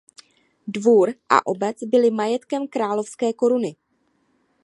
Dvůr a obec byly majetkem královské koruny.